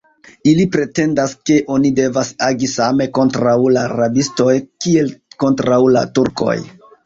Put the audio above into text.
Ili pretendas, ke oni devas agi same kontraŭ la rabistoj, kiel kontraŭ la Turkoj.